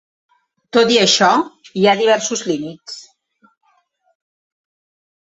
Tot i això, hi ha diversos límits.